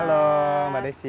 halo mbak desi